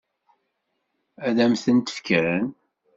Ad m-tent-fken?